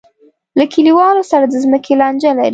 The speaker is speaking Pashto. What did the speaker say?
له کلیوالو سره د ځمکې لانجه لري.